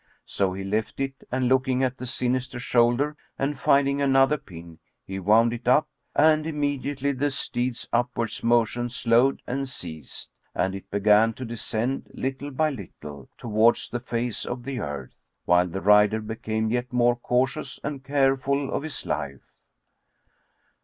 So he left it and looking at the sinister shoulder and finding another pin, he wound it up and immediately the steed's upwards motion slowed and ceased and it began to descend, little by little, towards the face of the earth, while the rider became yet more cautious and careful of his life.